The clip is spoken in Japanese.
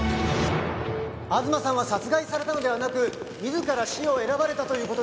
東さんは殺害されたのではなく自ら死を選ばれたという事ですが。